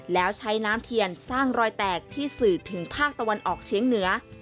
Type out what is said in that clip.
แล้วใช้น้ำเทียนสร้างรอยแตกที่สื่อถึงภาคตะวันออกเชียงเหนือ